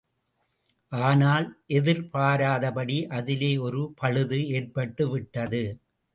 ஆனால், எதிர்பாராதபடி அதிலே ஒரு பழுது ஏற்பட்டுவிட்டது.